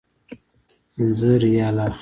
پنځه ریاله اخلي.